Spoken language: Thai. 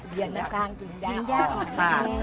เรียนแบบน้ำค้างกินย่าออกมาก